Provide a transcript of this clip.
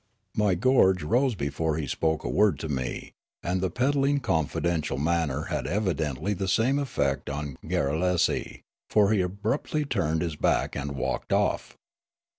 My gorge rose before he spoke a word to me, and the peddlingly confidential manner had evidently the same effect on Garrulesi, for he abruptly turned his back and walked off.